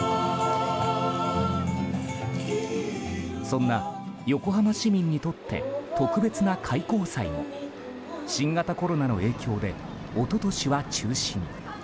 そんな横浜市民にとって特別な開港祭も新型コロナの影響で一昨年は中止に。